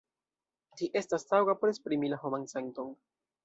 Ĝi estas taŭga por esprimi la homan senton.